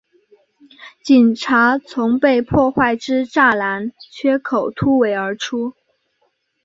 警察从被破坏之栅栏缺口突围而出